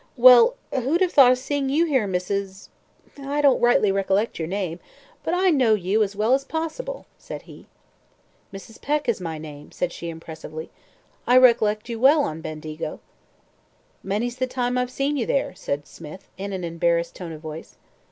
"Well! who'd have thought of seeing you here, Mrs.? I don't rightly recollect your name, but I know you as well as possible," said he. "Mrs. Peck is my name," said she impressively. "I recollect you well on Bendigo." "Many's the time I've seen you there," said Smith, in an embarrassed tone of voice.